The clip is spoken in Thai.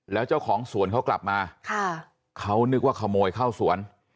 แล้วเจ้าของสวนเขากลับมาเขานึกว่าขโมยเข้าสวน